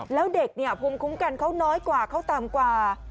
แล้วเด็กเนี่ยภูมิคุ้มกันเขาน้อยกว่าเขาต่ำกว่า